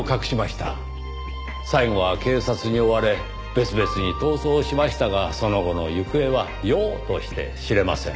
最後は警察に追われ別々に逃走しましたがその後の行方はようとして知れません。